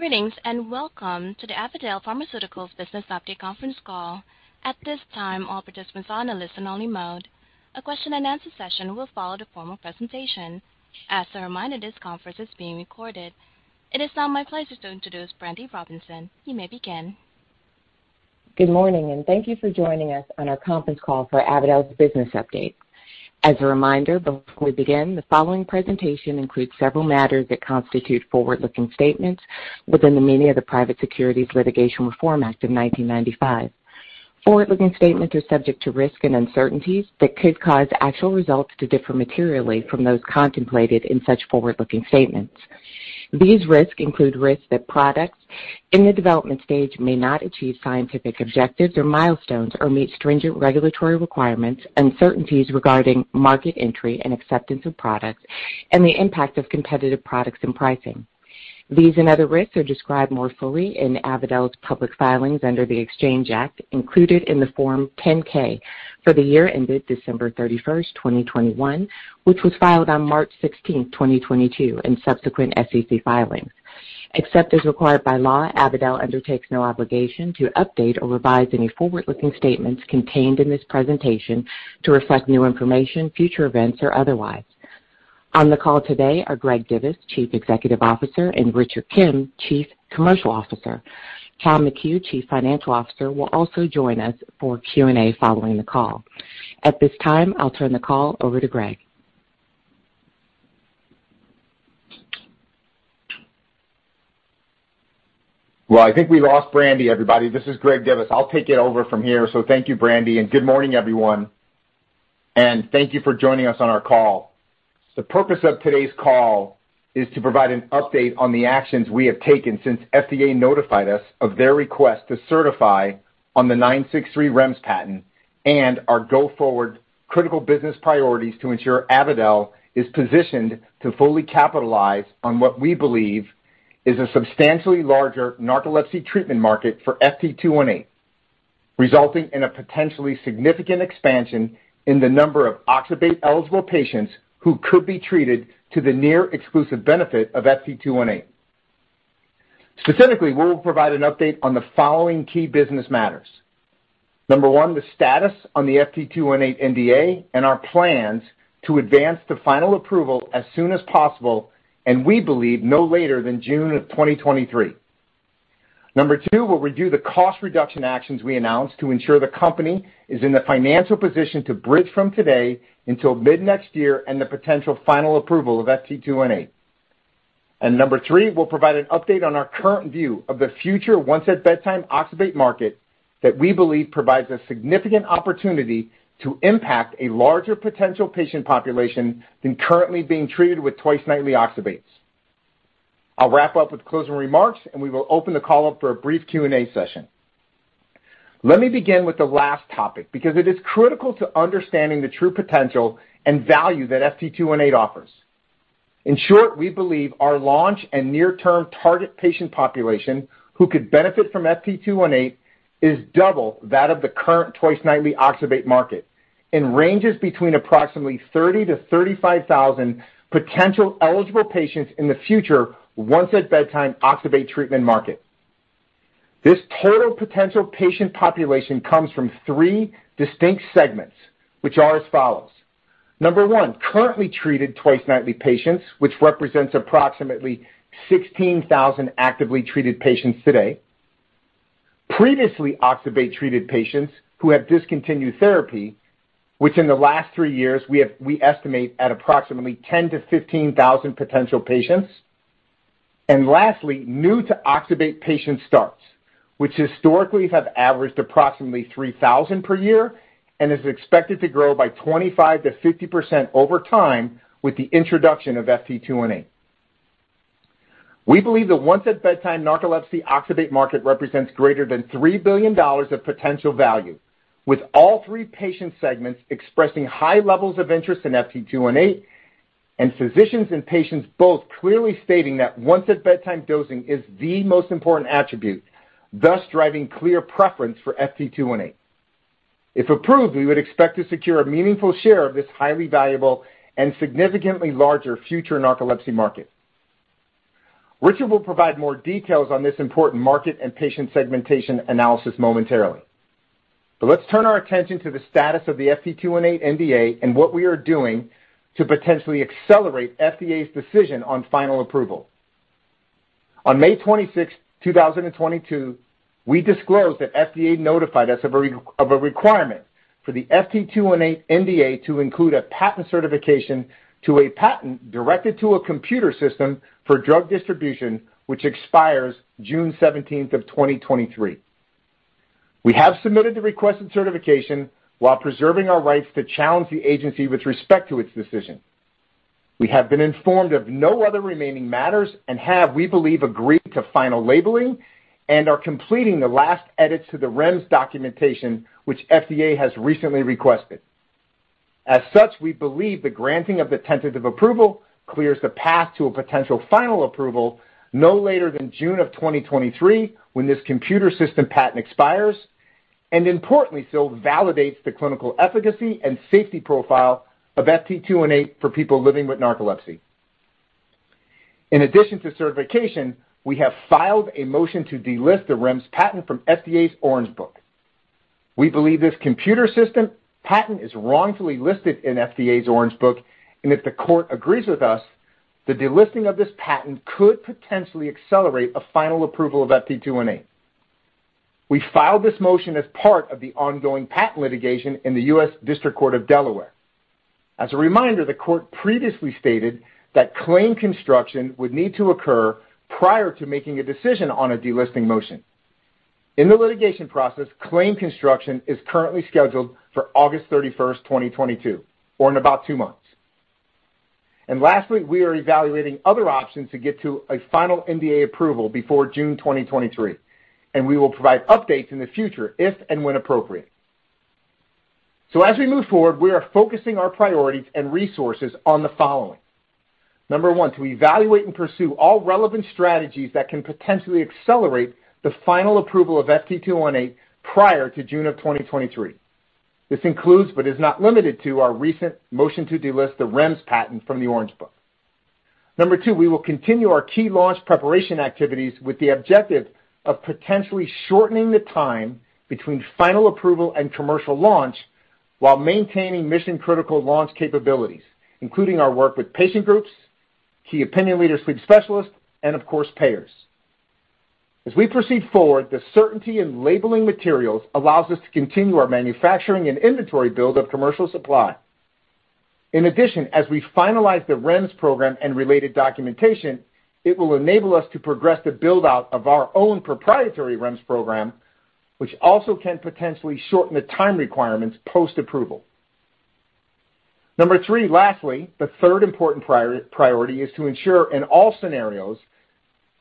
Greetings, and welcome to the Avadel Pharmaceuticals Business Update conference call. At this time, all participants are on a listen-only mode. A question-and-answer session will follow the formal presentation. As a reminder, this conference is being recorded. It is now my pleasure to introduce Brandy Robinson. You may begin. Good morning, and thank you for joining us on our conference call for Avadel's business update. As a reminder, before we begin, the following presentation includes several matters that constitute forward-looking statements within the meaning of the Private Securities Litigation Reform Act of 1995. Forward-looking statements are subject to risks and uncertainties that could cause actual results to differ materially from those contemplated in such forward-looking statements. These risks include risks that products in the development stage may not achieve scientific objectives or milestones or meet stringent regulatory requirements, uncertainties regarding market entry and acceptance of products, and the impact of competitive products and pricing. These and other risks are described more fully in Avadel's public filings under the Exchange Act included in the Form 10-K for the year ended December 31st, 2021, which was filed on March 16, 2022, and subsequent SEC filings. Except as required by law, Avadel undertakes no obligation to update or revise any forward-looking statements contained in this presentation to reflect new information, future events, or otherwise. On the call today are Greg Divis, Chief Executive Officer, and Richard Kim, Chief Commercial Officer. Tom McHugh, Chief Financial Officer, will also join us for Q&A following the call. At this time, I'll turn the call over to Greg. Well, I think we lost Brandy, everybody. This is Greg Divis. I'll take it over from here. Thank you, Brandy, and good morning, everyone, and thank you for joining us on our call. The purpose of today's call is to provide an update on the actions we have taken since FDA notified us of their request to certify on the 963 REMS patent and our go-forward critical business priorities to ensure Avadel is positioned to fully capitalize on what we believe is a substantially larger narcolepsy treatment market for FT218, resulting in a potentially significant expansion in the number of oxybate-eligible patients who could be treated to the near exclusive benefit of FT218. Specifically, we will provide an update on the following key business matters. Number one, the status on the FT218 NDA and our plans to advance to final approval as soon as possible, and we believe no later than June 2023. Number two, we'll review the cost reduction actions we announced to ensure the company is in the financial position to bridge from today until mid-next year and the potential final approval of FT218. Number three, we'll provide an update on our current view of the future once-at-bedtime oxybate market that we believe provides a significant opportunity to impact a larger potential patient population than currently being treated with twice-nightly oxybates. I'll wrap up with closing remarks, and we will open the call up for a brief Q&A session. Let me begin with the last topic, because it is critical to understanding the true potential and value that FT218 offers. In short, we believe our launch and near-term target patient population who could benefit from FT218 is double that of the current twice-nightly oxybate market and ranges between approximately 30,000-35,000 potential eligible patients in the future once-at-bedtime oxybate treatment market. This total potential patient population comes from three distinct segments, which are as follows. Number one, currently treated twice-nightly patients, which represents approximately 16,000 actively treated patients today. Previously oxybate-treated patients who have discontinued therapy, which in the last three years we estimate at approximately 10,000-15,000 potential patients. Lastly, new to oxybate patient starts, which historically have averaged approximately 3,000 per year and is expected to grow by 25%-50% over time with the introduction of FT218. We believe the once-at-bedtime narcolepsy oxybate market represents greater than $3 billion of potential value, with all three patient segments expressing high levels of interest in FT218 and physicians and patients both clearly stating that once-at-bedtime dosing is the most important attribute, thus driving clear preference for FT218. If approved, we would expect to secure a meaningful share of this highly valuable and significantly larger future narcolepsy market. Richard will provide more details on this important market and patient segmentation analysis momentarily. Let's turn our attention to the status of the FT218 NDA and what we are doing to potentially accelerate FDA's decision on final approval. On May 26, 2022, we disclosed that FDA notified us of a requirement for the FT218 NDA to include a patent certification to a patent directed to a computer system for drug distribution, which expires June 17, 2023. We have submitted the requested certification while preserving our rights to challenge the agency with respect to its decision. We have been informed of no other remaining matters and have, we believe, agreed to final labeling and are completing the last edits to the REMS documentation, which FDA has recently requested. As such, we believe the granting of the tentative approval clears the path to a potential final approval no later than June 2023 when this computer system patent expires. Importantly, still validates the clinical efficacy and safety profile of FT218 for people living with narcolepsy. In addition to certification, we have filed a motion to delist the REMS patent from FDA's Orange Book. We believe this computer system patent is wrongfully listed in FDA's Orange Book, and if the court agrees with us, the delisting of this patent could potentially accelerate a final approval of FT218. We filed this motion as part of the ongoing patent litigation in the U.S. District Court of Delaware. As a reminder, the court previously stated that claim construction would need to occur prior to making a decision on a delisting motion. In the litigation process, claim construction is currently scheduled for August 31st, 2022, or in about two months. Lastly, we are evaluating other options to get to a final NDA approval before June 2023, and we will provide updates in the future if and when appropriate. As we move forward, we are focusing our priorities and resources on the following. Number one, to evaluate and pursue all relevant strategies that can potentially accelerate the final approval of FT218 prior to June of 2023. This includes, but is not limited to, our recent motion to delist the REMS patent from the Orange Book. Number two, we will continue our key launch preparation activities with the objective of potentially shortening the time between final approval and commercial launch while maintaining mission-critical launch capabilities, including our work with patient groups, key opinion leaders, sleep specialists, and of course, payers. As we proceed forward, the certainty in labeling materials allows us to continue our manufacturing and inventory build of commercial supply. In addition, as we finalize the REMS program and related documentation, it will enable us to progress the build-out of our own proprietary REMS program, which also can potentially shorten the time requirements post-approval. Number three, lastly, the third important priority is to ensure in all scenarios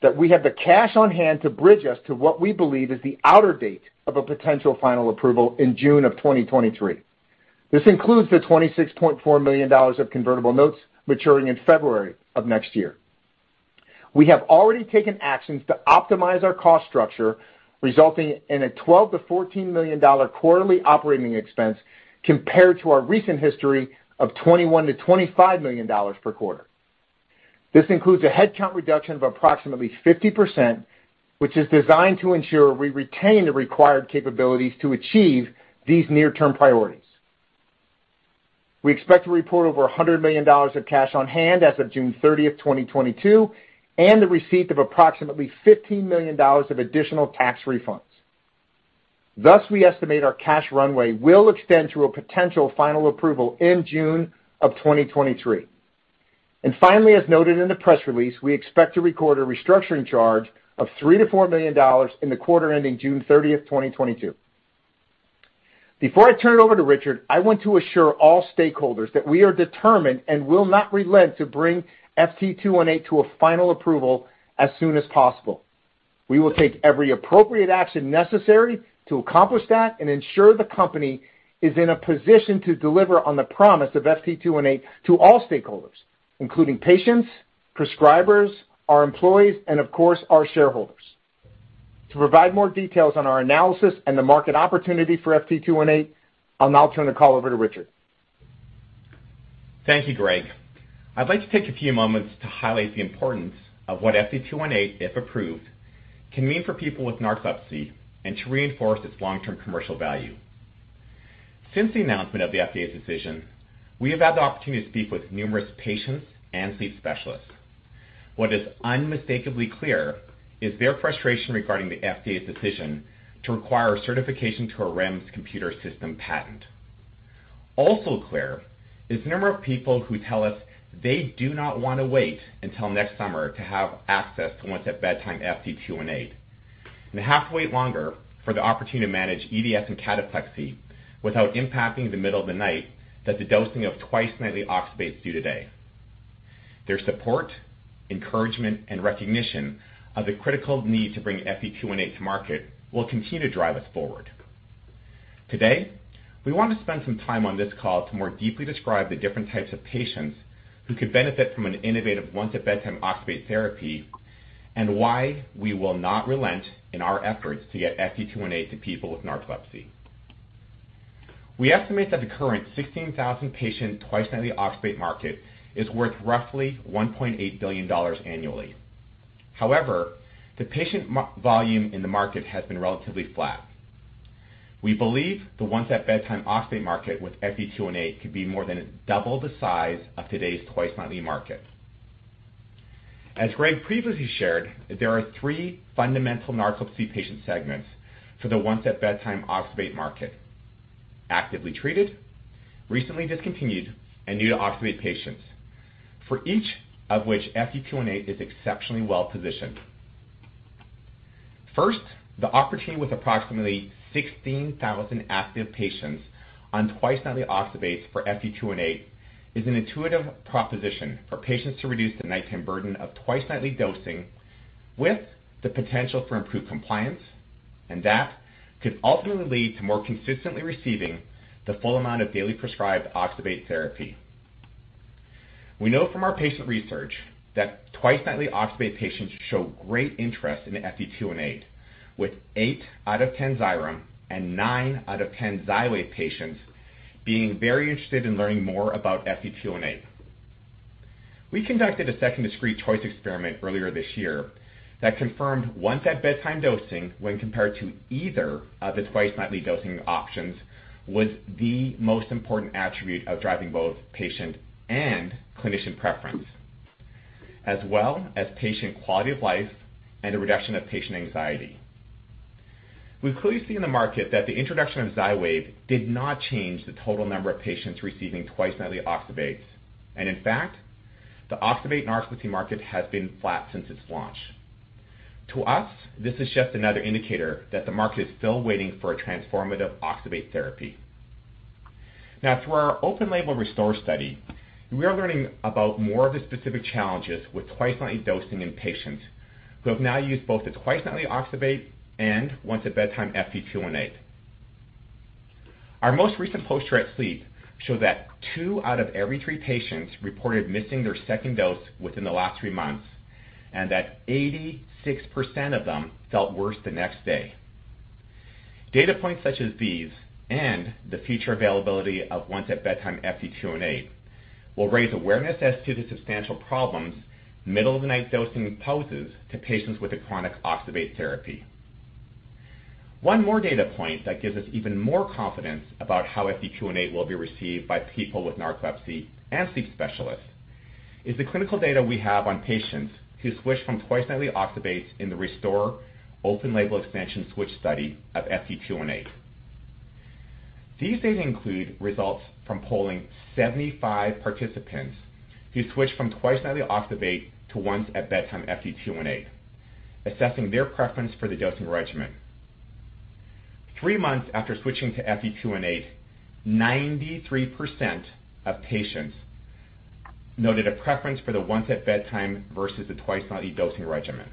that we have the cash on hand to bridge us to what we believe is the outer date of a potential final approval in June 2023. This includes the $26.4 million of convertible notes maturing in February of next year. We have already taken actions to optimize our cost structure, resulting in a $12 million-$14 million quarterly operating expense compared to our recent history of $21 million-$25 million per quarter. This includes a headcount reduction of approximately 50%, which is designed to ensure we retain the required capabilities to achieve these near-term priorities. We expect to report over $100 million of cash on hand as of June 30th, 2022, and the receipt of approximately $15 million of additional tax refunds. Thus, we estimate our cash runway will extend to a potential final approval in June 2023. Finally, as noted in the press release, we expect to record a restructuring charge of $3 million-$4 million in the quarter ending June 30th, 2022. Before I turn it over to Richard, I want to assure all stakeholders that we are determined and will not relent to bring FT218 to a final approval as soon as possible. We will take every appropriate action necessary to accomplish that and ensure the company is in a position to deliver on the promise of FT218 to all stakeholders, including patients, prescribers, our employees, and of course, our shareholders. To provide more details on our analysis and the market opportunity for FT218, I'll now turn the call over to Richard. Thank you, Greg. I'd like to take a few moments to highlight the importance of what FT218, if approved, can mean for people with narcolepsy and to reinforce its long-term commercial value. Since the announcement of the FDA's decision, we have had the opportunity to speak with numerous patients and sleep specialists. What is unmistakably clear is their frustration regarding the FDA's decision to require certification to a REMS computer system patent. Also clear is the number of people who tell us they do not want to wait until next summer to have access to once-at-bedtime FT218, and have to wait longer for the opportunity to manage EDS and cataplexy without impacting the middle of the night that the dosing of twice-nightly oxybates do today. Their support, encouragement, and recognition of the critical need to bring FT218 to market will continue to drive us forward. Today, we want to spend some time on this call to more deeply describe the different types of patients who could benefit from an innovative once-at-bedtime oxybate therapy and why we will not relent in our efforts to get FT218 to people with narcolepsy. We estimate that the current 16,000 patient twice-nightly oxybate market is worth roughly $1.8 billion annually. However, the patient volume in the market has been relatively flat. We believe the once-at-bedtime oxybate market with FT218 could be more than double the size of today's twice-nightly market. As Greg previously shared, there are three fundamental narcolepsy patient segments for the once-at-bedtime oxybate market: actively treated, recently discontinued, and new to oxybate patients, for each of which FT218 is exceptionally well-positioned. First, the opportunity with approximately 16,000 active patients on twice-nightly oxybates for FT218 is an intuitive proposition for patients to reduce the nighttime burden of twice-nightly dosing with the potential for improved compliance, and that could ultimately lead to more consistently receiving the full amount of daily prescribed oxybate therapy. We know from our patient research that twice-nightly oxybate patients show great interest in FT218, with eight out of 10 Xyrem and 9 out of 10 Xywav patients being very interested in learning more about FT218. We conducted a second discrete choice experiment earlier this year that confirmed once-at-bedtime dosing when compared to either of the twice-nightly dosing options was the most important attribute of driving both patient and clinician preference, as well as patient quality of life and the reduction of patient anxiety. We've clearly seen in the market that the introduction of Xywav did not change the total number of patients receiving twice-nightly oxybates, and in fact, the oxybate narcolepsy market has been flat since its launch. To us, this is just another indicator that the market is still waiting for a transformative oxybate therapy. Now, through our open-label RESTORE study, we are learning about more of the specific challenges with twice-nightly dosing in patients who have now used both the twice-nightly oxybate and once-at-bedtime FT218. Our most recent poster at SLEEP showed that two out of every three patients reported missing their second dose within the last three months and that 86% of them felt worse the next day. Data points such as these and the future availability of once-at-bedtime FT218 will raise awareness as to the substantial problems middle-of-the-night dosing poses to patients with a chronic oxybate therapy. One more data point that gives us even more confidence about how FT218 will be received by people with narcolepsy and sleep specialists is the clinical data we have on patients who switched from twice-nightly oxybates in the RESTORE open-label expansion switch study of FT218. These data include results from polling 75 participants who switched from twice-nightly oxybate to once-at-bedtime FT218, assessing their preference for the dosing regimen. Three months after switching to FT218, 93% of patients noted a preference for the once-at-bedtime versus the twice-nightly dosing regimen.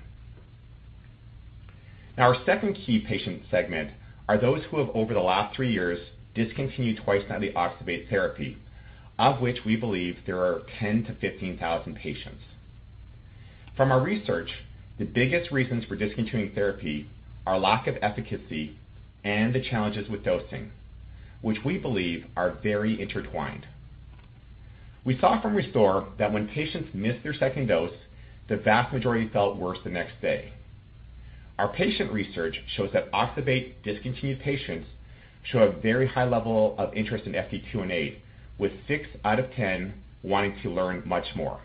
Now, our second key patient segment are those who have over the last three years discontinued twice-nightly oxybate therapy, of which we believe there are 10,000-15,000 patients. From our research, the biggest reasons for discontinuing therapy are lack of efficacy and the challenges with dosing, which we believe are very intertwined. We saw from RESTORE that when patients missed their second dose, the vast majority felt worse the next day. Our patient research shows that oxybate discontinued patients show a very high level of interest in FT218, with six out of 10 wanting to learn much more.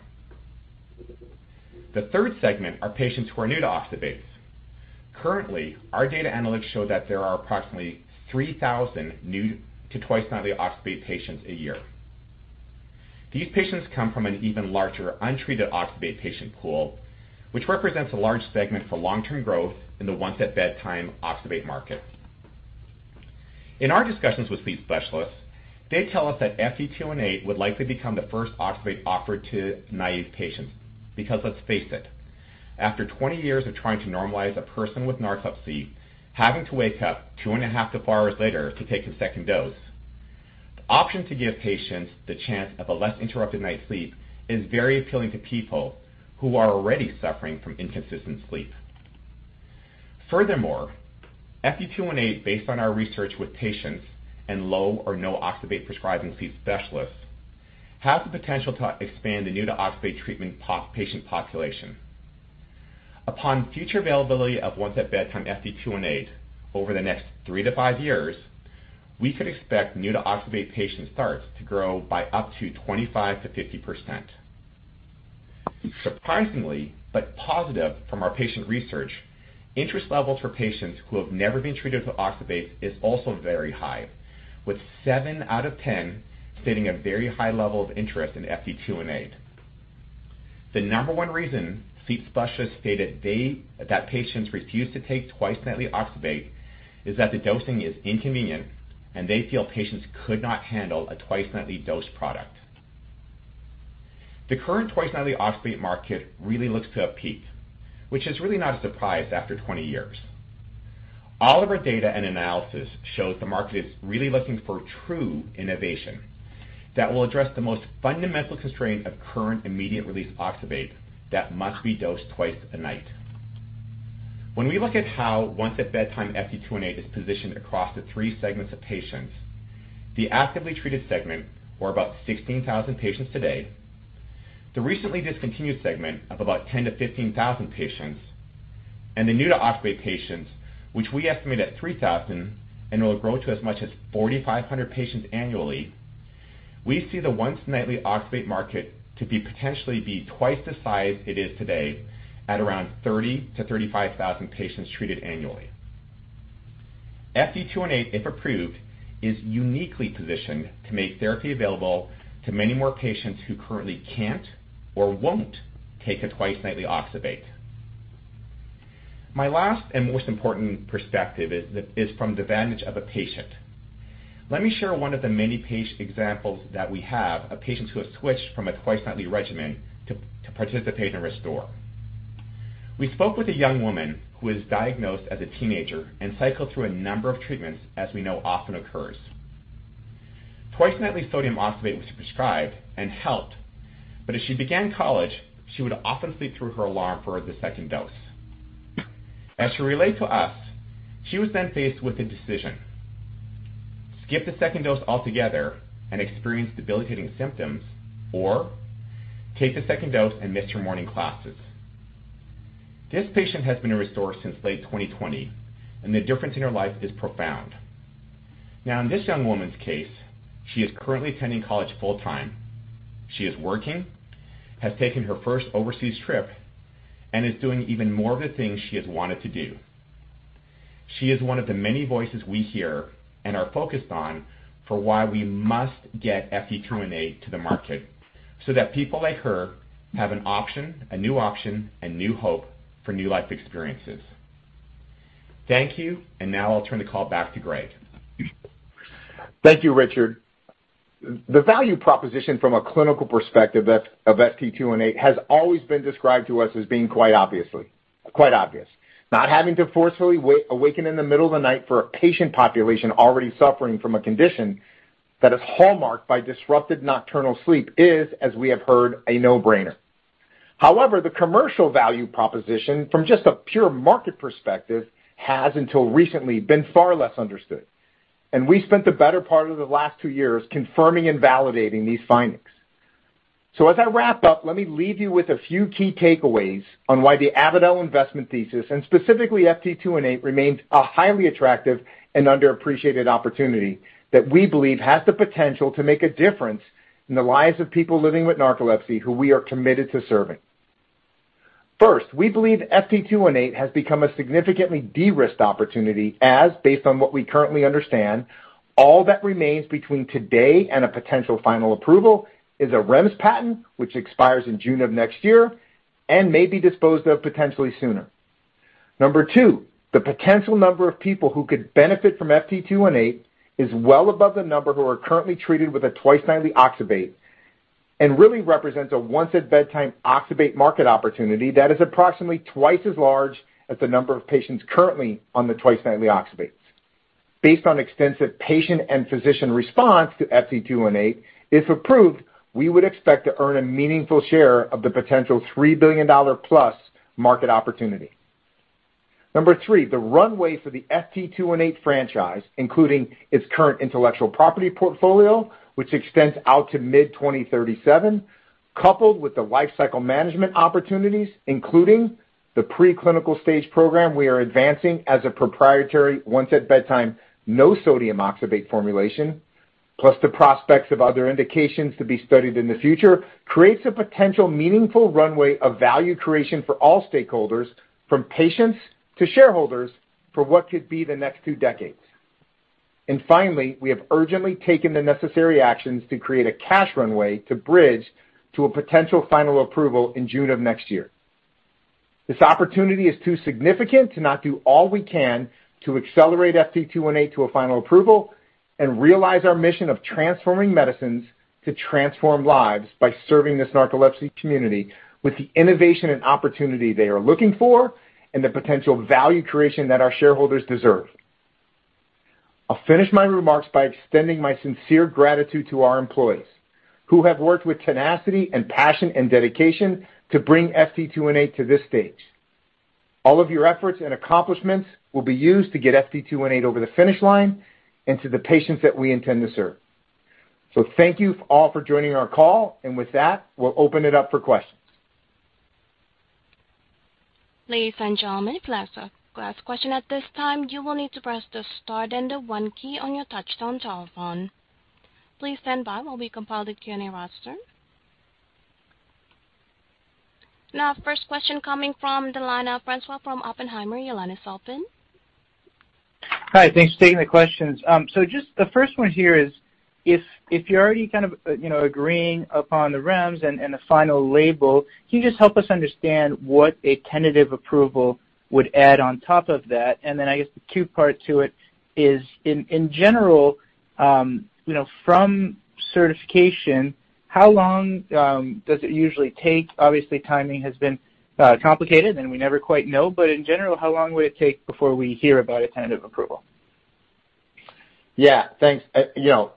The third segment are patients who are new to oxybates. Currently, our data analytics show that there are approximately 3,000 new to twice-nightly oxybate patients a year. These patients come from an even larger untreated oxybate patient pool, which represents a large segment for long-term growth in the once-at-bedtime oxybate market. In our discussions with sleep specialists, they tell us that FT218 would likely become the first oxybate offered to naive patients because let's face it, after 20 years of trying to normalize a person with narcolepsy having to wake up 2.5-4 hours later to take a second dose, the option to give patients the chance of a less interrupted night's sleep is very appealing to people who are already suffering from inconsistent sleep. Furthermore, FT218, based on our research with patients and low or no oxybate prescribing sleep specialists, has the potential to expand the new-to-oxybate treatment patient population. Upon future availability of once-at-bedtime FT218 over the next 3-5 years, we could expect new-to-oxybate patient starts to grow by up to 25%-50%. Surprisingly, but positive from our patient research, interest levels for patients who have never been treated with oxybates is also very high, with seven out of 10 stating a very high level of interest in FT218. The number one reason sleep specialists stated that patients refuse to take twice-nightly oxybate is that the dosing is inconvenient and they feel patients could not handle a twice-nightly dose product. The current twice-nightly oxybate market really looks to have peaked, which is really not a surprise after 20 years. All of our data and analysis shows the market is really looking for true innovation that will address the most fundamental constraint of current immediate-release oxybate that must be dosed twice a night. When we look at how once-at-bedtime FT218 is positioned across the three segments of patients, the actively treated segment, or about 16,000 patients today, the recently discontinued segment of about 10,000-15,000 patients, and the new-to-oxybate patients, which we estimate at 3,000 and will grow to as much as 4,500 patients annually, we see the once-nightly oxybate market to be potentially twice the size it is today at around 30,000-35,000 patients treated annually. FT218, if approved, is uniquely positioned to make therapy available to many more patients who currently can't or won't take a twice-nightly oxybate. My last and most important perspective is from the vantage of a patient. Let me share one of the many patient examples that we have of patients who have switched from a twice-nightly regimen to participate in RESTORE. We spoke with a young woman who was diagnosed as a teenager and cycled through a number of treatments as we know often occurs. Twice-nightly sodium oxybate was prescribed and helped. As she began college, she would often sleep through her alarm for the second dose. As she relayed to us, she was then faced with a decision, skip the second dose altogether and experience debilitating symptoms, or take the second dose and miss her morning classes. This patient has been in RESTORE since late 2020, and the difference in her life is profound. Now, in this young woman's case, she is currently attending college full-time. She is working, has taken her first overseas trip, and is doing even more of the things she has wanted to do. She is one of the many voices we hear and are focused on for why we must get FT218 to the market so that people like her have an option, a new option, and new hope for new life experiences. Thank you. Now I'll turn the call back to Greg. Thank you, Richard. The value proposition from a clinical perspective of FT218 has always been described to us as being quite obvious. Not having to forcefully awaken in the middle of the night for a patient population already suffering from a condition that is hallmarked by disrupted nocturnal sleep is, as we have heard, a no-brainer. However, the commercial value proposition from just a pure market perspective has until recently been far less understood, and we spent the better part of the last two years confirming and validating these findings. As I wrap up, let me leave you with a few key takeaways on why the Avadel investment thesis, and specifically FT218, remains a highly attractive and underappreciated opportunity that we believe has the potential to make a difference in the lives of people living with narcolepsy who we are committed to serving. First, we believe FT218 has become a significantly de-risked opportunity as based on what we currently understand, all that remains between today and a potential final approval is a REMS patent, which expires in June of next year and may be disposed of potentially sooner. Number two, the potential number of people who could benefit from FT218 is well above the number who are currently treated with a twice-nightly oxybate and really represents a once-at-bedtime oxybate market opportunity that is approximately twice as large as the number of patients currently on the twice-nightly oxybates. Based on extensive patient and physician response to FT218, if approved, we would expect to earn a meaningful share of the potential $3+ billion market opportunity. Number three, the runway for the FT218 franchise, including its current intellectual property portfolio, which extends out to mid-2037, coupled with the lifecycle management opportunities, including the preclinical stage program we are advancing as a proprietary once-at-bedtime, no sodium oxybate formulation, plus the prospects of other indications to be studied in the future, creates a potential meaningful runway of value creation for all stakeholders, from patients to shareholders, for what could be the next two decades. Finally, we have urgently taken the necessary actions to create a cash runway to bridge to a potential final approval in June of next year. This opportunity is too significant to not do all we can to accelerate FT218 to a final approval and realize our mission of transforming medicines to transform lives by serving this narcolepsy community with the innovation and opportunity they are looking for and the potential value creation that our shareholders deserve. I'll finish my remarks by extending my sincere gratitude to our employees who have worked with tenacity and passion and dedication to bring FT218 to this stage. All of your efforts and accomplishments will be used to get FT218 over the finish line and to the patients that we intend to serve. Thank you all for joining our call. With that, we'll open it up for questions. Ladies and gentlemen, if you'd like to ask question at this time, you will need to press the star then the one key on your touch-tone telephone. Please stand by while we compile the Q&A roster. Now first question coming from the line of Francois Brisebois from Oppenheimer. Your line is open. Hi. Thanks for taking the questions. Just the first one here is, if you're already kind of, you know, agreeing upon the REMS and the final label, can you just help us understand what a tentative approval would add on top of that? I guess the second part to it is, in general, you know, from certification, how long does it usually take? Obviously, timing has been complicated, and we never quite know. In general, how long would it take before we hear about a tentative approval? Yeah. Thanks. You know,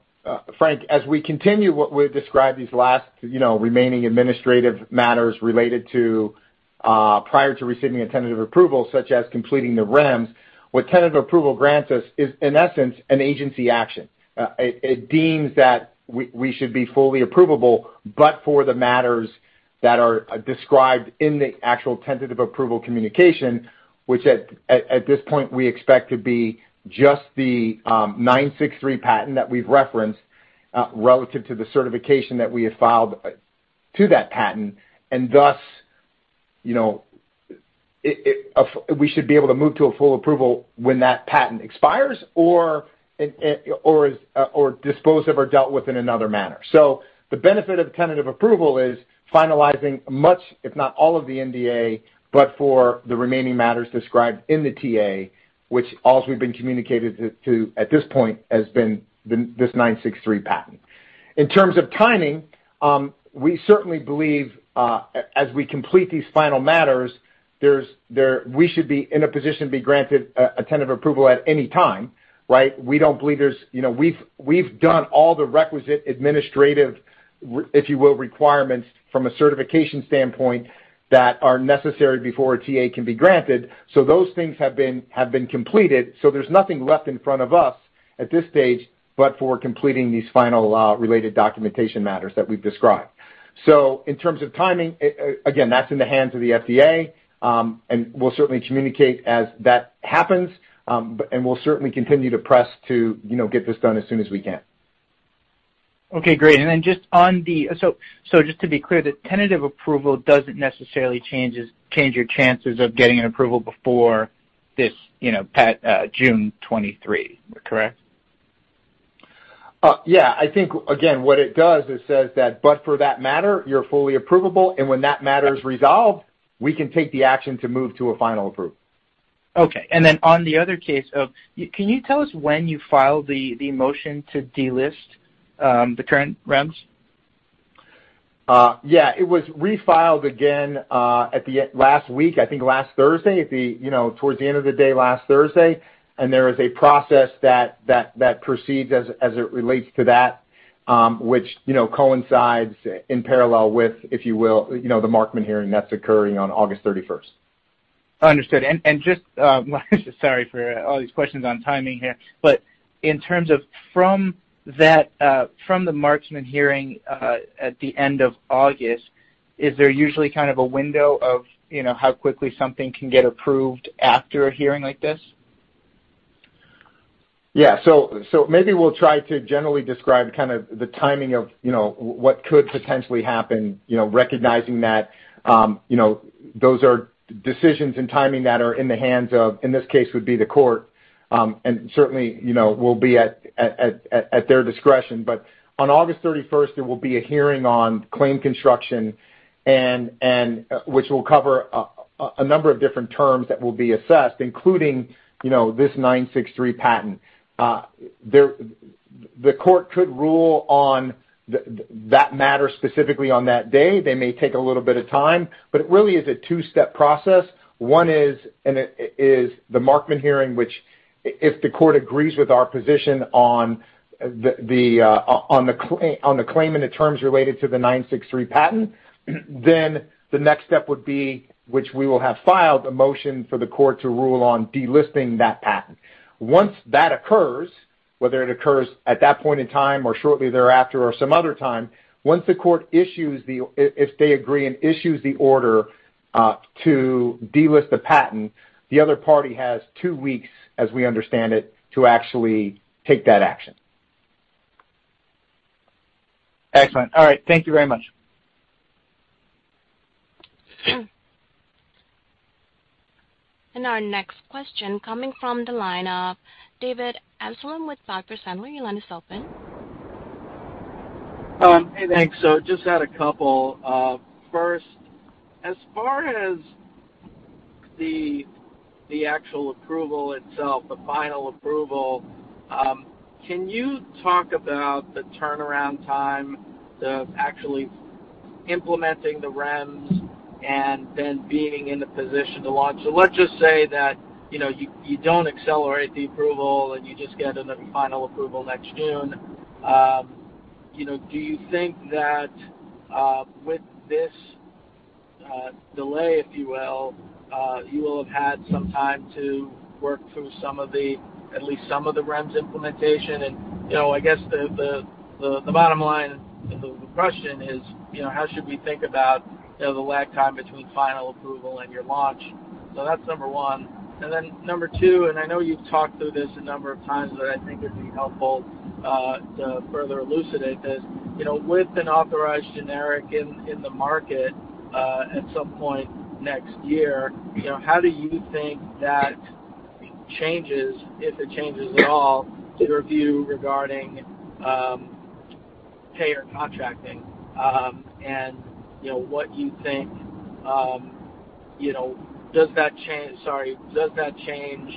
Frank, as we continue what we've described these last, you know, remaining administrative matters related to, prior to receiving a tentative approval, such as completing the REMS, what tentative approval grants us is, in essence, an agency action. It deems that we should be fully approvable, but for the matters that are described in the actual tentative approval communication, which at this point, we expect to be just the 963 patent that we've referenced, relative to the certification that we have filed to that patent. Thus, you know, we should be able to move to a full approval when that patent expires or is disposed of or dealt with in another manner. The benefit of tentative approval is finalizing much, if not all of the NDA, but for the remaining matters described in the TA, which all that's been communicated to us at this point has been this 963 patent. In terms of timing, we certainly believe, as we complete these final matters, we should be in a position to be granted a tentative approval at any time, right? We don't believe there's. You know, we've done all the requisite administrative, if you will, requirements from a certification standpoint that are necessary before a TA can be granted. Those things have been completed, so there's nothing left in front of us at this stage but for completing these final related documentation matters that we've described. In terms of timing, again, that's in the hands of the FDA. We'll certainly communicate as that happens. We'll certainly continue to press to, you know, get this done as soon as we can. Okay, great. Then just on the, so just to be clear, the tentative approval doesn't necessarily change your chances of getting an approval before this, you know, June 23, correct? I think, again, what it does, it says that, "for that matter, you're fully approvable, and when that matter is resolved, we can take the action to move to a final approval. Okay. Can you tell us when you filed the motion to delist the current REMS? Yeah. It was refiled again last week, I think last Thursday towards the end of the day last Thursday, and there is a process that proceeds as it relates to that, which, you know, coincides in parallel with, if you will, you know, the Markman hearing that's occurring on August 31st. Understood. Just sorry for all these questions on timing here. In terms of from the Markman hearing at the end of August, is there usually kind of a window of, you know, how quickly something can get approved after a hearing like this? Yeah. Maybe we'll try to generally describe kind of the timing of, you know, what could potentially happen, you know, recognizing that, you know, those are decisions and timing that are in the hands of, in this case, would be the court. Certainly, you know, will be at their discretion. On August 31st, there will be a hearing on claim construction, which will cover a number of different terms that will be assessed, including, you know, this 963 patent. The court could rule on that matter specifically on that day. They may take a little bit of time. It really is a two-step process. One is the Markman hearing, which if the court agrees with our position on the claim and the terms related to the 963 patent, then the next step would be, which we will have filed, a motion for the court to rule on delisting that patent. Once that occurs, whether it occurs at that point in time or shortly thereafter or some other time, once the court issues the order if they agree and issues the order to delist the patent, the other party has two weeks, as we understand it, to actually take that action. Excellent. All right. Thank you very much. Our next question coming from the line of David Amsellem with Piper Sandler. Your line is open. Hey, thanks. Just had a couple. First, as far as the actual approval itself, the final approval, can you talk about the turnaround time of actually implementing the REMS and then being in a position to launch? Let's just say that, you know, you don't accelerate the approval and you just get another final approval next June. You know, do you think that, with this delay, if you will, you will have had some time to work through some of the, at least some of the REMS implementation? You know, I guess the bottom line, the question is, you know, how should we think about, you know, the lag time between final approval and your launch? That's number one. Number two, I know you've talked through this a number of times, but I think it'd be helpful to further elucidate this. You know, with an authorized generic in the market at some point next year, you know, how do you think that changes, if it changes at all, your view regarding payer contracting? And you know, what you think, you know, does that change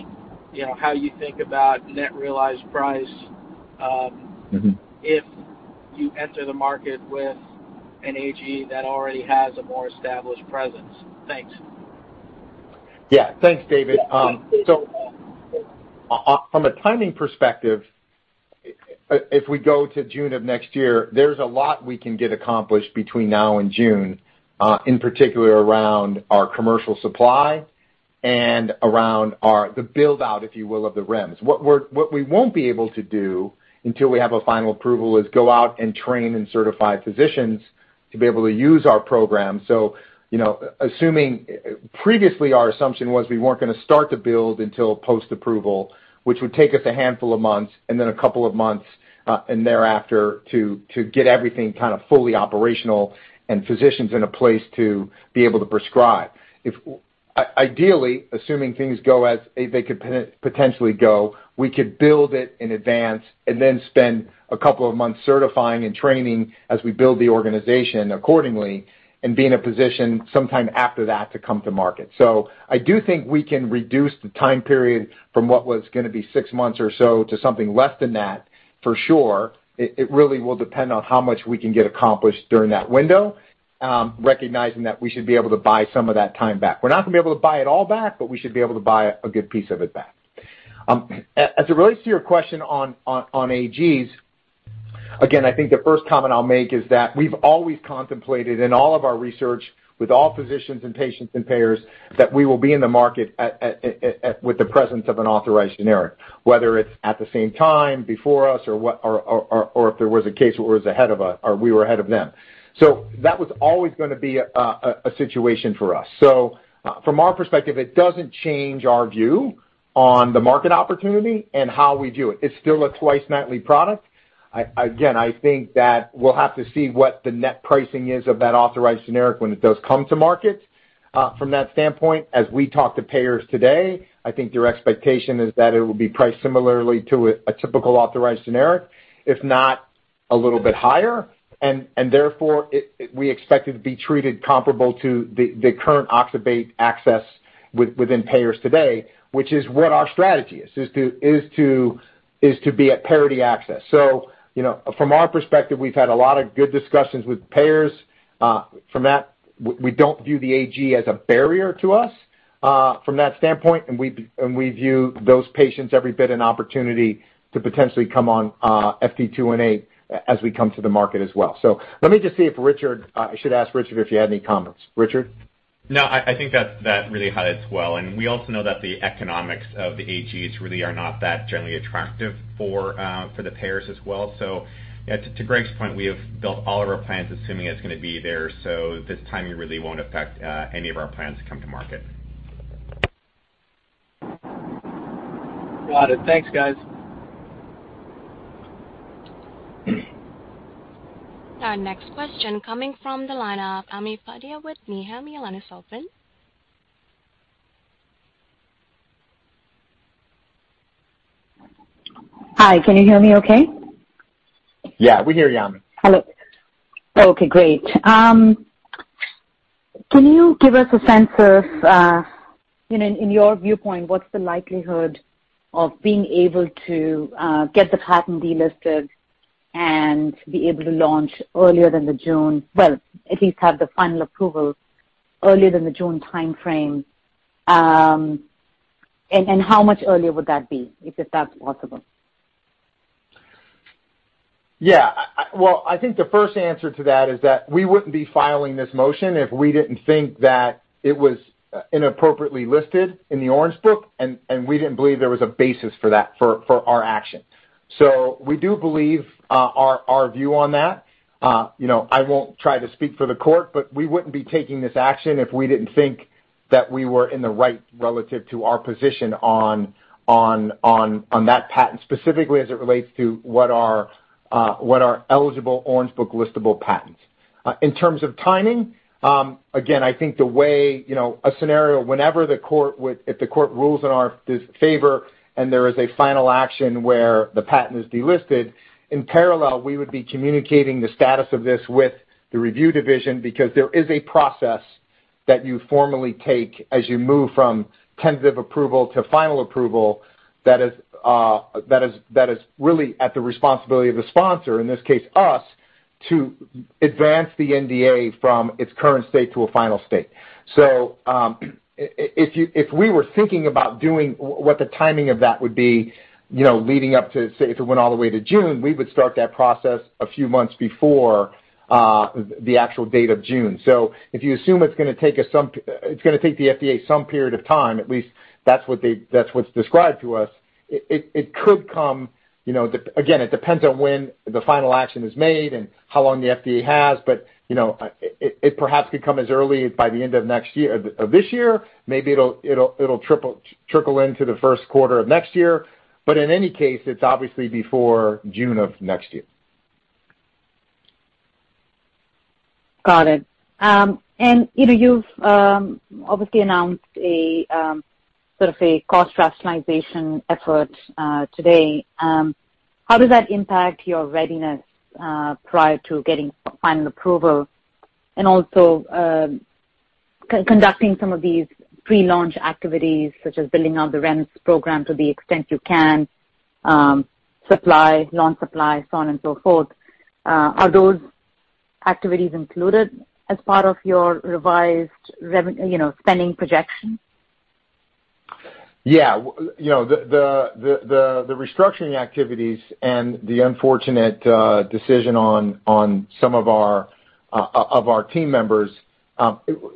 you know how you think about net realized price. Mm-hmm If you enter the market with an AG that already has a more established presence? Thanks. Yeah. Thanks, David. On the timing perspective, if we go to June of next year, there's a lot we can get accomplished between now and June, in particular around our commercial supply and around our the build-out, if you will, of the REMS. What we won't be able to do until we have a final approval is go out and train and certify physicians to be able to use our program. You know, previously, our assumption was we weren't gonna start the build until post-approval, which would take us a handful of months and then a couple of months and thereafter to get everything kind of fully operational and physicians in a place to be able to prescribe. Ideally, assuming things go as they could potentially go, we could build it in advance and then spend a couple of months certifying and training as we build the organization accordingly and be in a position sometime after that to come to market. I do think we can reduce the time period from what was gonna be six months or so to something less than that for sure. It really will depend on how much we can get accomplished during that window, recognizing that we should be able to buy some of that time back. We're not gonna be able to buy it all back, but we should be able to buy a good piece of it back. As it relates to your question on AGs again, I think the first comment I'll make is that we've always contemplated in all of our research with all physicians and patients and payers that we will be in the market at with the presence of an authorized generic, whether it's at the same time, before us or what or if there was a case that was ahead of us or we were ahead of them. That was always gonna be a situation for us. From our perspective, it doesn't change our view on the market opportunity and how we do it. It's still a twice nightly product. Again, I think that we'll have to see what the net pricing is of that authorized generic when it does come to market. From that standpoint, as we talk to payers today, I think their expectation is that it will be priced similarly to a typical authorized generic, if not a little bit higher. Therefore, we expect it to be treated comparable to the current oxybate access within payers today, which is what our strategy is to be at parity access. You know, from our perspective, we've had a lot of good discussions with payers from that. We don't view the AG as a barrier to us from that standpoint, and we view those patients every bit an opportunity to potentially come on FT218 as we come to the market as well. Let me just see if Richard, I should ask Richard if you had any comments. Richard? No. I think that really hits well. We also know that the economics of the AGs really are not that generally attractive for the payers as well. To Greg's point, we have built all of our plans assuming it's gonna be there. This timing really won't affect any of our plans to come to market. Got it. Thanks, guys. Our next question coming from the line of Ami Fadia with Needham. Your line is open. Hi. Can you hear me okay? Yeah, we hear you, Ami. Hello. Okay, great. Can you give us a sense of, you know, in your viewpoint, what's the likelihood of being able to get the patent delisted and be able to launch earlier than the June timeframe? Well, at least have the final approval earlier than the June timeframe? And how much earlier would that be, if that's possible? Yeah. Well, I think the first answer to that is that we wouldn't be filing this motion if we didn't think that it was inappropriately listed in the Orange Book, and we didn't believe there was a basis for that for our action. We do believe our view on that. You know, I won't try to speak for the court, but we wouldn't be taking this action if we didn't think that we were in the right relative to our position on that patent, specifically as it relates to what are eligible Orange Book listable patents. In terms of timing, again, I think the way, you know, a scenario, if the court rules in our favor and there is a final action where the patent is delisted, in parallel, we would be communicating the status of this with the review division because there is a process that you formally take as you move from tentative approval to final approval that is really at the responsibility of the sponsor, in this case us, to advance the NDA from its current state to a final state. If we were thinking about what the timing of that would be, you know, leading up to, say, if it went all the way to June, we would start that process a few months before the actual date of June. If you assume it's gonna take the FDA some period of time, at least that's what's described to us, it could come, you know. Again, it depends on when the final action is made and how long the FDA has, but, you know, it perhaps could come as early by the end of this year. Maybe it'll trickle into the first quarter of next year. In any case, it's obviously before June of next year. Got it. You know, you've obviously announced a sort of a cost rationalization effort today. How does that impact your readiness prior to getting final approval and also conducting some of these pre-launch activities, such as building out the REMS program to the extent you can, supply, launch supply, so on and so forth? Are those activities included as part of your revised, you know, spending projections? Yeah. You know, the restructuring activities and the unfortunate decision on some of our team members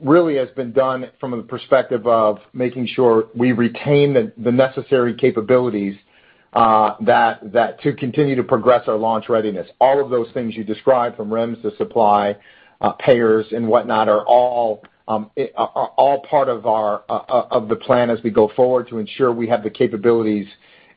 really has been done from the perspective of making sure we retain the necessary capabilities to continue to progress our launch readiness. All of those things you described, from REMS to supply, payers and whatnot, are all part of the plan as we go forward to ensure we have the capabilities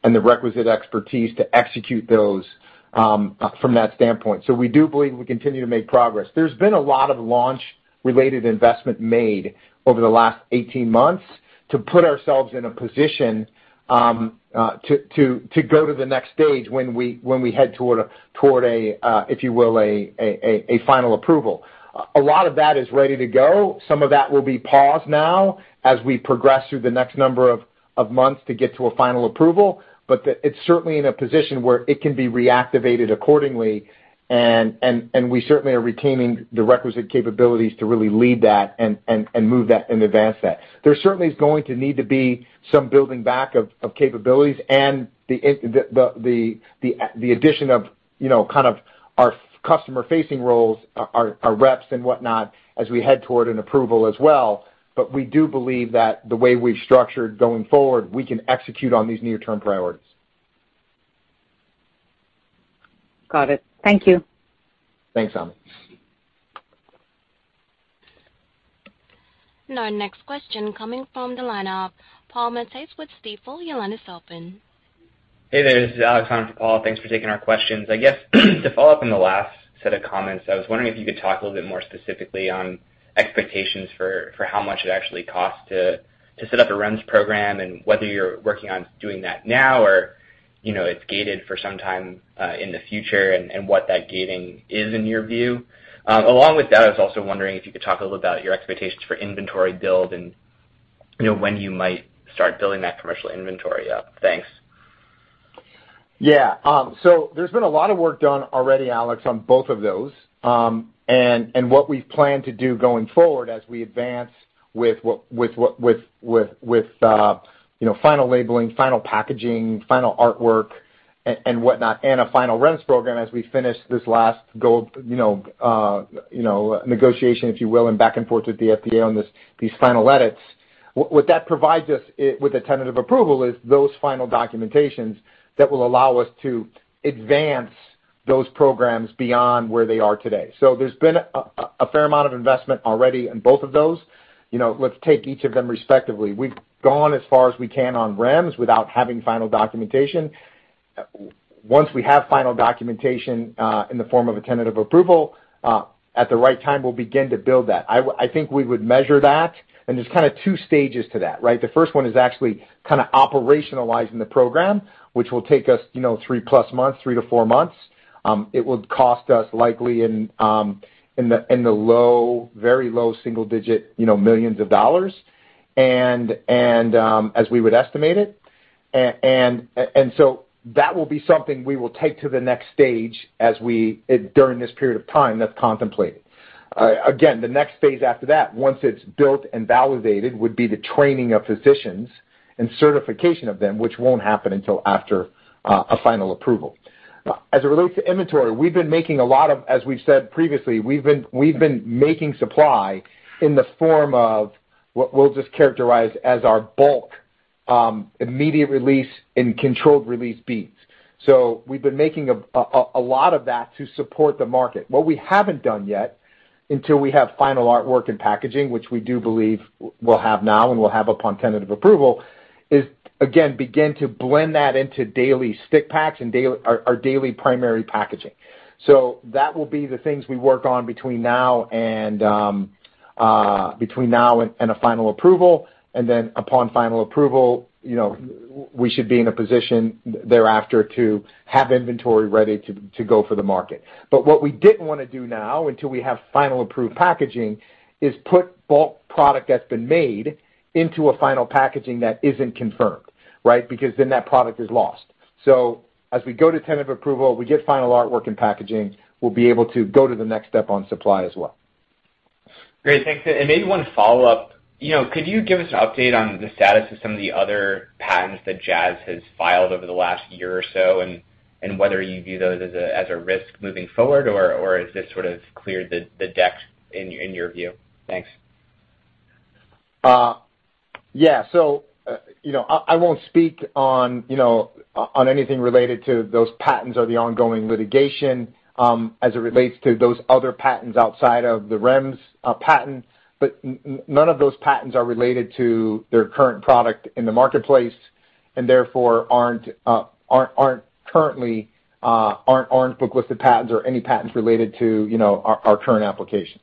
and the requisite expertise to execute those from that standpoint. We do believe we continue to make progress. There's been a lot of launch-related investment made over the last 18 months to put ourselves in a position to go to the next stage when we head toward a, if you will, a final approval. A lot of that is ready to go. Some of that will be paused now as we progress through the next number of months to get to a final approval. It's certainly in a position where it can be reactivated accordingly, and we certainly are retaining the requisite capabilities to really lead that and move that and advance that. There certainly is going to need to be some building back of capabilities and the addition of, you know, kind of our customer-facing roles, our reps and whatnot, as we head toward an approval as well. We do believe that the way we've structured going forward, we can execute on these near-term priorities. Got it. Thank you. Thanks, Ami. Now next question coming from the line of Paul Matteis with Stifel. Your line is open. Hey there, this is Alex on for Paul. Thanks for taking our questions. I guess to follow up on the last set of comments, I was wondering if you could talk a little bit more specifically on expectations for how much it actually costs to set up a REMS program and whether you're working on doing that now or, you know, it's gated for some time in the future and what that gating is in your view. Along with that, I was also wondering if you could talk a little about your expectations for inventory build and, you know, when you might start building that commercial inventory up. Thanks. Yeah. So there's been a lot of work done already, Alex, on both of those. And what we plan to do going forward as we advance with what, you know, final labeling, final packaging, final artwork and whatnot, and a final REMS program as we finish this last go, you know, negotiation, if you will, and back and forth with the FDA on these final edits. What that provides us with a tentative approval is those final documentations that will allow us to advance those programs beyond where they are today. There's been a fair amount of investment already in both of those. You know, let's take each of them respectively. We've gone as far as we can on REMS without having final documentation. Once we have final documentation in the form of a tentative approval at the right time, we'll begin to build that. I think we would measure that, and there's kinda two stages to that, right? The first one is actually kinda operationalizing the program, which will take us, you know, 3+ months, 3-4 months. It would cost us likely in the low, very low single-digit, you know, millions of dollars, and as we would estimate it. That will be something we will take to the next stage as we during this period of time that's contemplated. Again, the next phase after that, once it's built and validated, would be the training of physicians and certification of them, which won't happen until after a final approval. As it relates to inventory, we've been making a lot of, as we've said previously, we've been making supply in the form of what we'll just characterize as our bulk, immediate release and controlled release beads. We've been making a lot of that to support the market. What we haven't done yet, until we have final artwork and packaging, which we do believe we'll have now and we'll have upon tentative approval, is again, begin to blend that into daily stick packs and daily, our daily primary packaging. That will be the things we work on between now and a final approval. Upon final approval, you know, we should be in a position thereafter to have inventory ready to go for the market. What we didn't wanna do now until we have final approved packaging is put bulk product that's been made into a final packaging that isn't confirmed, right? Because then that product is lost. As we go to tentative approval, we get final artwork and packaging, we'll be able to go to the next step on supply as well. Great, thanks. Maybe one follow-up. You know, could you give us an update on the status of some of the other patents that Jazz has filed over the last year or so, and whether you view those as a risk moving forward, or is this sort of cleared the decks in your view? Thanks. Yeah. You know, I won't speak on, you know, on anything related to those patents or the ongoing litigation, as it relates to those other patents outside of the REMS patent. None of those patents are related to their current product in the marketplace, and therefore aren't currently in the Orange Book with the patents or any patents related to, you know, our current application.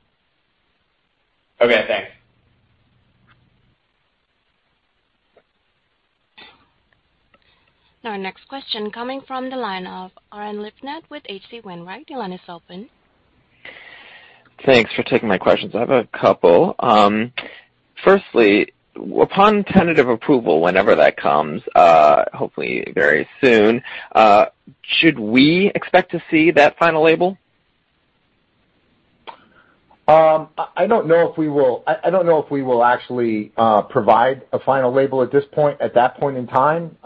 Okay, thanks. Now next question coming from the line of Oren Livnat with H.C. Wainwright. Your line is open. Thanks for taking my questions. I have a couple. Firstly, upon tentative approval, whenever that comes, hopefully very soon, should we expect to see that final label? I don't know if we will actually provide a final label at this point, at that point in time.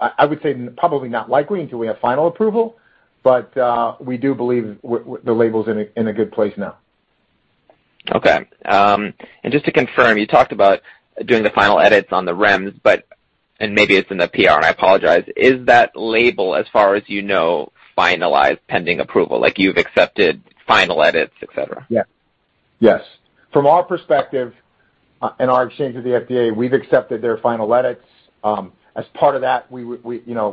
I would say probably not likely until we have final approval, but we do believe the label's in a good place now. Okay. Just to confirm, you talked about doing the final edits on the REMS, and maybe it's in the PR, and I apologize. Is that label, as far as you know, finalized pending approval? Like you've accepted final edits, et cetera? Yeah. Yes. From our perspective, and our exchange with the FDA, we've accepted their final edits. As part of that, we you know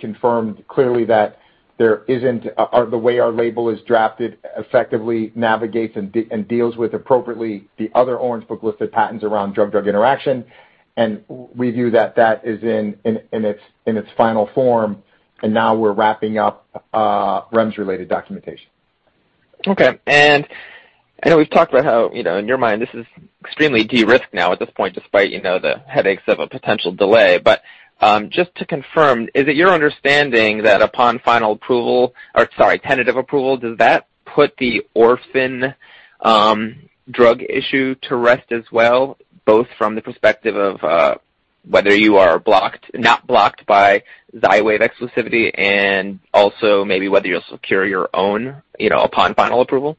confirmed clearly that there isn't or the way our label is drafted effectively navigates and deals with appropriately the other Orange Book listed patents around drug-drug interaction. We view that that is in its final form, and now we're wrapping up REMS-related documentation. Okay. I know we've talked about how, you know, in your mind this is extremely de-risked now at this point despite, you know, the headaches of a potential delay. Just to confirm, is it your understanding that upon final approval or, sorry, tentative approval, does that put the orphan drug issue to rest as well, both from the perspective of, whether you are blocked, not blocked by Xywav exclusivity and also maybe whether you'll secure your own, you know, upon final approval?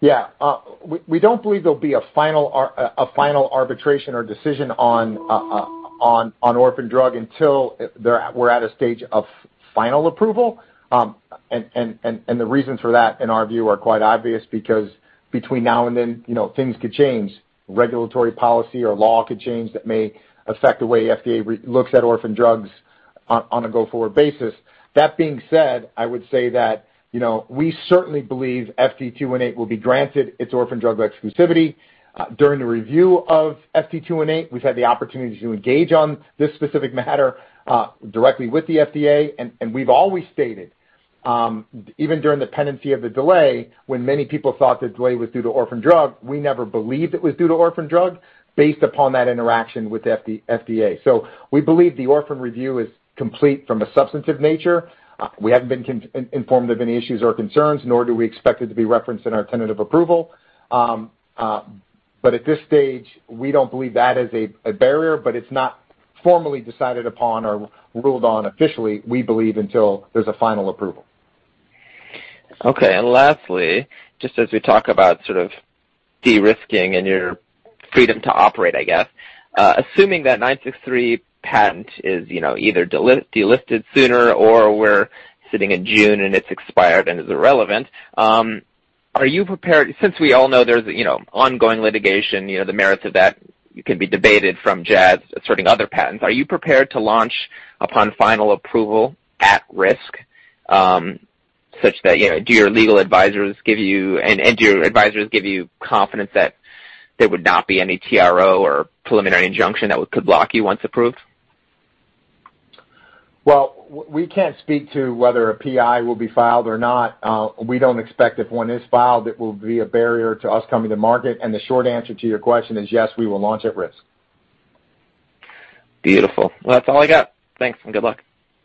Yeah. We don't believe there'll be a final arbitration or decision on orphan drug until we're at a stage of final approval. The reasons for that in our view are quite obvious because between now and then, you know, things could change. Regulatory policy or law could change that may affect the way FDA looks at orphan drugs on a go-forward basis. That being said, I would say that, you know, we certainly believe FT218 will be granted its orphan drug exclusivity. During the review of FT218, we've had the opportunity to engage on this specific matter directly with the FDA, and we've always stated, even during the pendency of the delay, when many people thought the delay was due to orphan drug, we never believed it was due to orphan drug based upon that interaction with the FDA. We believe the orphan review is complete from a substantive nature. We haven't been informed of any issues or concerns, nor do we expect it to be referenced in our tentative approval. But at this stage, we don't believe that is a barrier, but it's not formally decided upon or ruled on officially, we believe, until there's a final approval. Okay. Lastly, just as we talk about sort of de-risking and your freedom to operate, I guess, assuming that 963 patent is, you know, either delisted sooner or we're sitting in June and it's expired and is irrelevant, are you prepared? Since we all know there's, you know, ongoing litigation, you know, the merits of that can be debated from Jazz asserting other patents, are you prepared to launch upon final approval at risk, such that, you know, do your legal advisors give you and do your advisors give you confidence that there would not be any TRO or preliminary injunction that could block you once approved? Well, we can't speak to whether a PI will be filed or not. We don't expect if one is filed, it will be a barrier to us coming to market. The short answer to your question is yes, we will launch at risk. Beautiful. Well, that's all I got. Thanks, and good luck.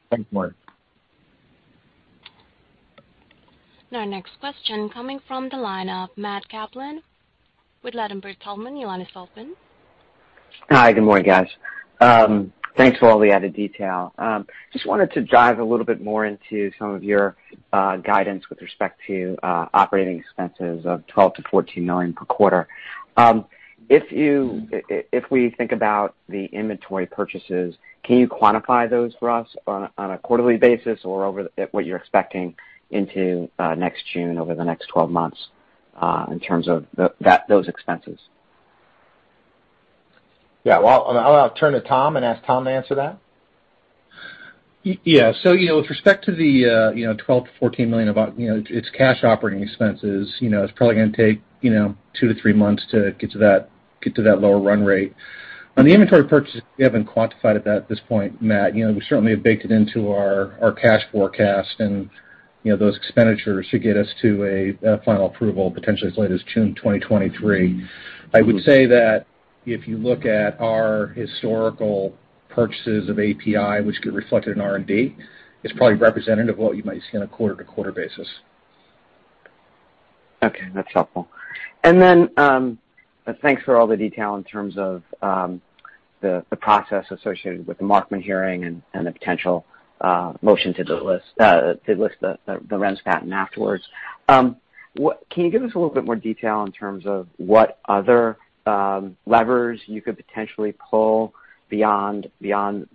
Thanks, Oren. Our next question coming from the line of Matt Kaplan with Ladenburg Thalmann. Your line is open. Hi. Good morning, guys. Thanks for all the added detail. Just wanted to dive a little bit more into some of your guidance with respect to operating expenses of $12 million-$14 million per quarter. If you, if we think about the inventory purchases, can you quantify those for us on a quarterly basis or at what you're expecting into next June over the next 12 months in terms of those expenses? Yeah. Well, I'll turn to Tom and ask Tom to answer that. You know, with respect to the $12 million-$14 million of it's cash operating expenses. You know, it's probably gonna take, you know, 2-3 months to get to that lower run rate. On the inventory purchases, we haven't quantified it at this point, Matt. You know, we certainly have baked it into our cash forecast and those expenditures to get us to a final approval potentially as late as June 2023. I would say that if you look at our historical purchases of API, which get reflected in R&D, it's probably representative of what you might see on a quarter-to-quarter basis. Okay, that's helpful. Thanks for all the detail in terms of the process associated with the Markman hearing and the potential motion to delist the REMS patent afterwards. What can you give us a little bit more detail in terms of what other levers you could potentially pull beyond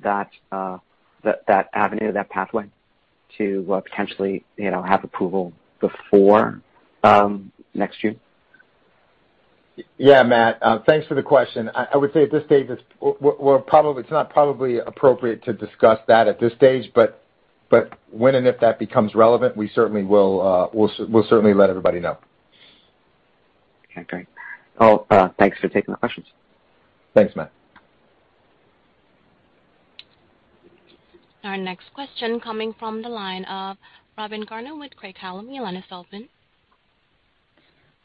that avenue, that pathway to potentially you know have approval before next June? Yeah, Matt, thanks for the question. I would say at this stage it's probably not appropriate to discuss that at this stage, but when and if that becomes relevant, we certainly will, we'll certainly let everybody know. Okay, great. Well, thanks for taking the questions. Thanks, Matt. Our next question coming from the line of Robin Garner with Craig-Hallum. Your line is open.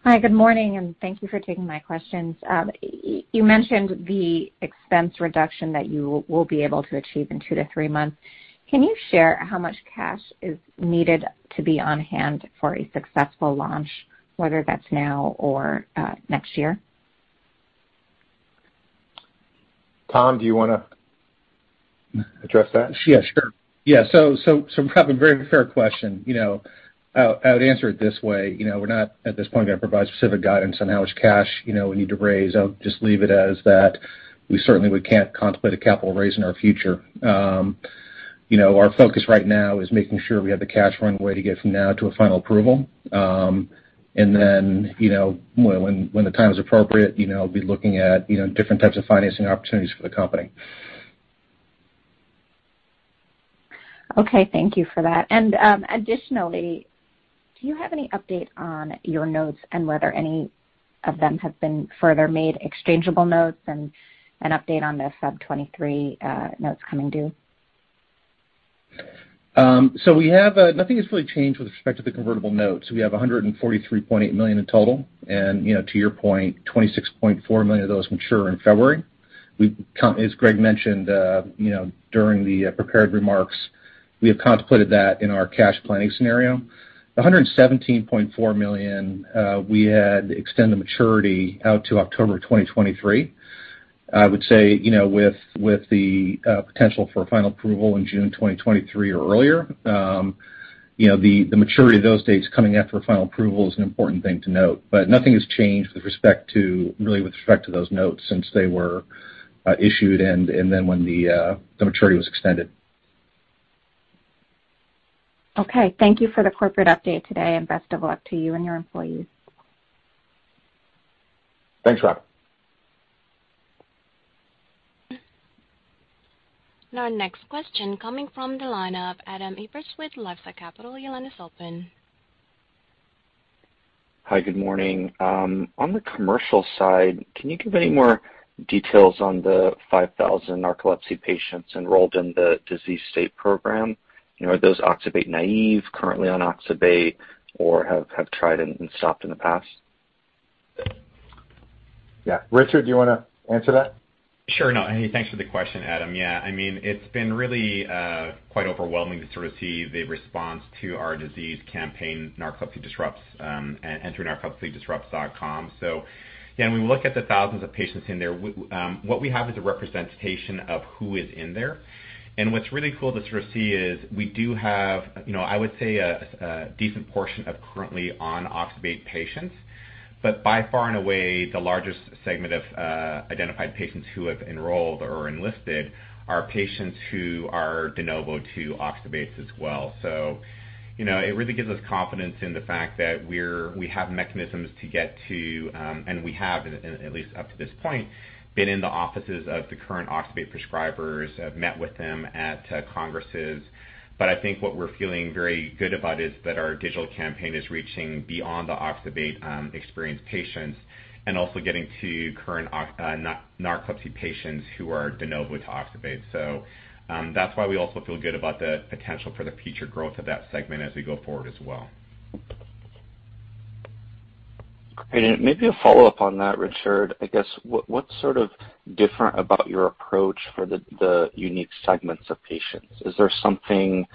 Hi, good morning, and thank you for taking my questions. You mentioned the expense reduction that you will be able to achieve in 2-3 months. Can you share how much cash is needed to be on hand for a successful launch, whether that's now or next year? Tom, do you wanna address that? Yeah, sure. Yeah, Robin, very fair question. You know, I would answer it this way. You know, we're not at this point gonna provide specific guidance on how much cash, you know, we need to raise. I'll just leave it as that. We certainly can't contemplate a capital raise in our future. You know, our focus right now is making sure we have the cash runway to get from now to a final approval. Then, you know, when the time is appropriate, you know, be looking at, you know, different types of financing opportunities for the company. Okay, thank you for that. Additionally, do you have any update on your notes and whether any of them have been further made exchangeable notes and an update on the 2023 notes coming due? We have nothing has really changed with respect to the convertible notes. We have $143.8 million in total. You know, to your point, $26.4 million of those mature in February. As Greg mentioned, you know, during the prepared remarks, we have contemplated that in our cash planning scenario. The $117.4 million, we had extended maturity out to October 2023. I would say, you know, with the potential for final approval in June 2023 or earlier, you know, the maturity of those dates coming after final approval is an important thing to note. Nothing has changed with respect to, really with respect to those notes since they were issued and then when the maturity was extended. Okay, thank you for the corporate update today, and best of luck to you and your employees. Thanks, Robin. Now next question coming from the line of Adam Evertts with LifeSci Capital. Your line is open. Hi, good morning. On the commercial side, can you give any more details on the 5,000 narcolepsy patients enrolled in the disease state program? You know, are those oxybate naive, currently on oxybate or have tried and stopped in the past? Yeah, Richard, do you wanna answer that? Sure. No, thanks for the question, Adam. Yeah, I mean, it's been really quite overwhelming to receive a response to our disease campaign, Narcolepsy Disrupts, and enter narcolepsydisrupts.com. Yeah, we look at the thousands of patients in there. What we have is a representation of who is in there. What's really cool to sort of see is we do have, you know, I would say a decent portion of currently on oxybate patients. By far and away, the largest segment of identified patients who have enrolled or enlisted are patients who are de novo to oxybates as well. You know, it really gives us confidence in the fact that we have mechanisms to get to, and we have, at least up to this point, been in the offices of the current oxybate prescribers, have met with them at congresses. I think what we're feeling very good about is that our digital campaign is reaching beyond the oxybate experience patients and also getting to current narcolepsy patients who are de novo to oxybate. That's why we also feel good about the potential for the future growth of that segment as we go forward as well. Great. Maybe a follow-up on that, Richard. I guess, what's sort of different about your approach for the unique segments of patients? Is there something,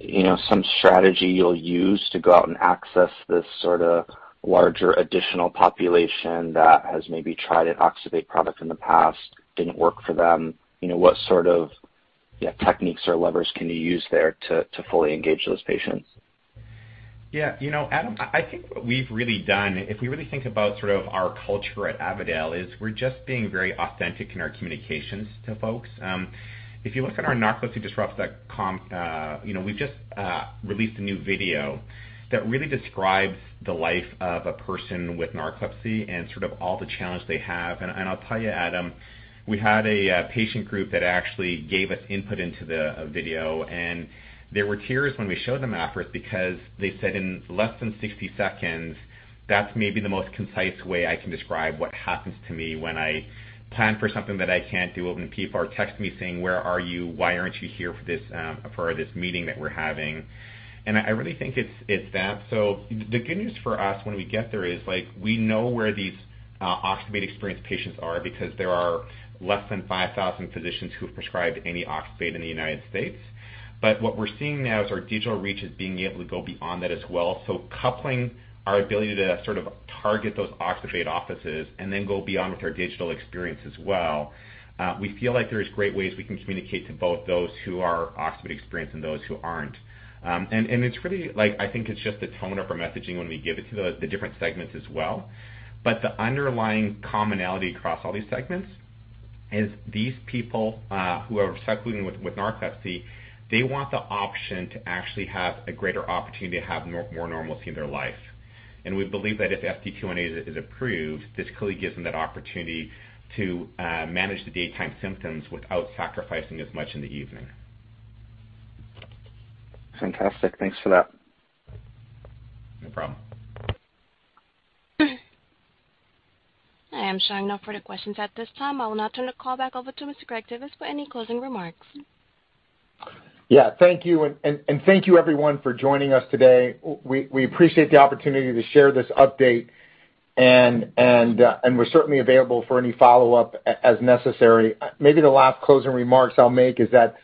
you know, some strategy you'll use to go out and access this sorta larger additional population that has maybe tried an oxybate product in the past, didn't work for them? You know, what sort of, yeah, techniques or levers can you use there to fully engage those patients? Yeah. You know, Adam, I think what we've really done, if we really think about sort of our culture at Avadel, is we're just being very authentic in our communications to folks. If you look at our narcolepsydisrupts.com, you know, we've just released a new video that really describes the life of a person with narcolepsy and sort of all the challenge they have. I'll tell you, Adam, we had a patient group that actually gave us input into the video, and there were tears when we showed them afterwards because they said in less than 60 seconds, that's maybe the most concise way I can describe what happens to me when I plan for something that I can't do, when people are texting me saying, "Where are you? Why aren't you here for this, for this meeting that we're having?" I really think it's that. The good news for us when we get there is, like, we know where these oxybate experienced patients are because there are less than 5,000 physicians who have prescribed any oxybate in the United States. What we're seeing now is our digital reach is being able to go beyond that as well. Coupling our ability to sort of target those oxybate offices and then go beyond with our digital experience as well, we feel like there's great ways we can communicate to both those who are oxybate experienced and those who aren't. It's really like, I think it's just the tone of our messaging when we give it to the different segments as well. The underlying commonality across all these segments is these people who are struggling with narcolepsy. They want the option to actually have a greater opportunity to have more normalcy in their life. We believe that if FT218 is approved, this clearly gives them that opportunity to manage the daytime symptoms without sacrificing as much in the evening. Fantastic. Thanks for that. No problem. I am showing no further questions at this time. I will now turn the call back over to Mr. Greg Divis for any closing remarks. Yeah. Thank you. Thank you everyone for joining us today. We appreciate the opportunity to share this update and we're certainly available for any follow-up as necessary. Maybe the last closing remarks I'll make is that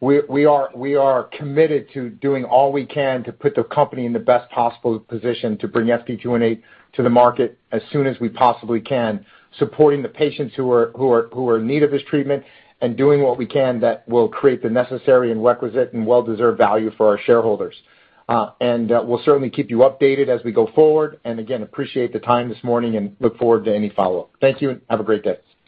we are committed to doing all we can to put the company in the best possible position to bring FT218 to the market as soon as we possibly can, supporting the patients who are in need of this treatment and doing what we can that will create the necessary and requisite and well-deserved value for our shareholders. We'll certainly keep you updated as we go forward. Again, appreciate the time this morning and look forward to any follow-up. Thank you, and have a great day.